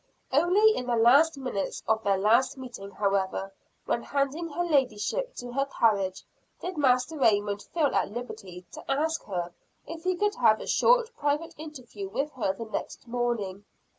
Only in the last minutes of their last meeting however, when handing her ladyship to her carriage, did Master Raymond feel at liberty to ask her if he could have a short private interview with her the next morning.